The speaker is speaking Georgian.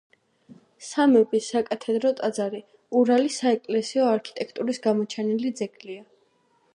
სამების საკათედრო ტაძარი ურალის საეკლესიო არქიტექტურის გამოჩენილი ძეგლია.